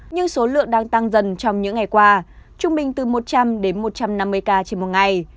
nhưng số lượng đang tăng dần trong những ngày qua trung bình từ một trăm linh đến một trăm năm mươi ca trên một ngày